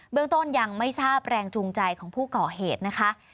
เรื่องต้นยังไม่ทราบแรงจูงใจของผู้ก่อเหตุนะคะ